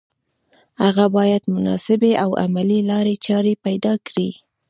هغه باید مناسبې او عملي لارې چارې پیدا کړي